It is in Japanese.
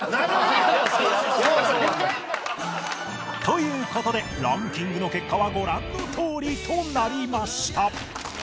という事でランキングの結果はご覧のとおりとなりました